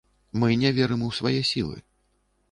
Мы не верым у свае сілы.